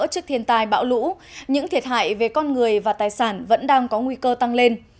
trước thiên tai bão lũ những thiệt hại về con người và tài sản vẫn đang có nguy cơ tăng lên